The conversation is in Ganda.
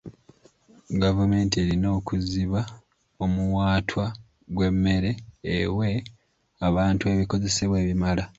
Gavumenti erina okuziba omuwaatwa gw'emmere ewe abantu ebikozesebwa ebimala.